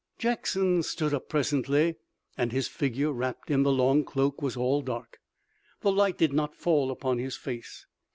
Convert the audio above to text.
Jackson stood up presently and his figure, wrapped in the long cloak was all dark. The light did not fall upon his face.